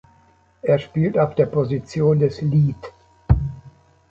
Er spielt auf der Position des "Lead".